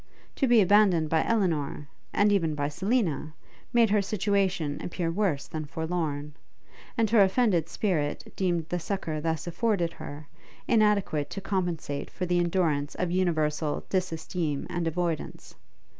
To be abandoned by Elinor, and even by Selina, made her situation appear worse than forlorn; and her offended spirit deemed the succour thus afforded her, inadequate to compensate for the endurance of universal disesteem and avoidance.